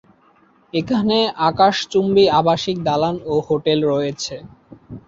এখানে আকাশচুম্বী আবাসিক দালান ও হোটেল রয়েছে।